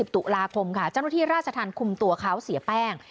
๒๐ตุลาคมจัตรุธีราชทันคุมตัวเค้าเสียแป้ง